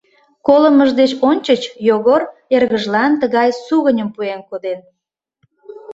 Колымыж деч ончыч Йогор эргыжлан тыгай сугыньым пуэн коден: